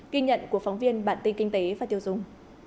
ghi nhận của phóng viên bản tin kinh tế và tiêu dùng